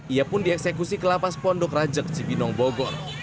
ia pun dieksekusi ke lapas pondok rajak cibinong bogor